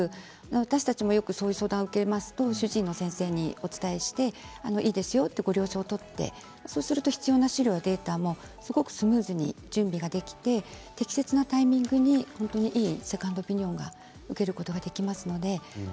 私たちもよくそういう相談を受けると主治医の先生にお伝えしてご了承を取って必要な資料やデータもスムーズに準備ができて適切なタイミングにいいセカンドオピニオンを受けることができます。